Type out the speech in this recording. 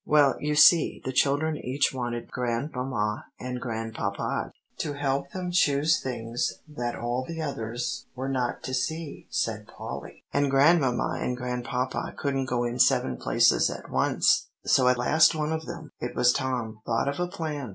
"Well, you see, the children each wanted Grandmamma and Grandpapa to help them choose things that all the others were not to see," said Polly; "and Grandmamma and Grandpapa couldn't go in seven places at once; so at last one of them, it was Tom, thought of a plan.